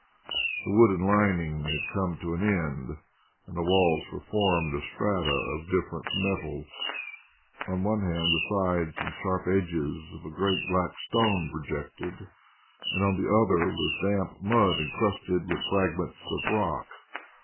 The wooden lining had come to an end, and the walls were formed of strata of different metals. On one hand the sides and sharp edges of a great black stone projected, on the other was damp mud encrusted with fragments of rock.